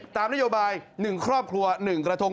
ตามนโยบาย๑ครอบครัว๑กระทง